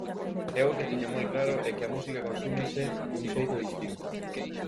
Eu o que teño moi claro é que a música consúmese dun xeito distinto.